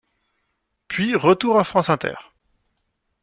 Puis retour à France Inter.